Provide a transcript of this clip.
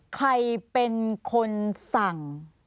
ใครเป็นคนสั่ง